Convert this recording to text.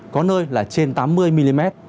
có nơi là trên tám mươi mm